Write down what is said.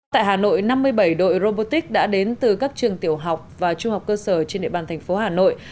tại hà nội năm mươi bảy đội robotics đã đến từ các trường tiểu học và trung học cơ sở trên địa bàn thành phố hà nội